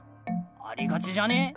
ありがちじゃね？